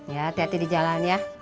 ya hati hati di jalan ya